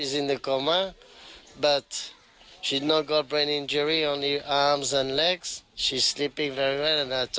สำหรับน้องชะนีดา